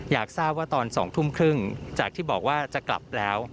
อยากทราบว่าตอน๒๓๐จากที่บอกว่าจะกลับแล้ว